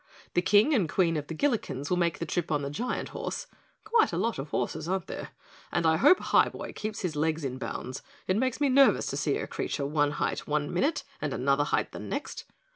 The King and Queen of the Gillikens will make the trip on the Giant Horse (quite a lot of horses, aren't there), and I hope Highboy keeps his legs in bounds. It makes me nervous to see a creature one height one minute and another height the next.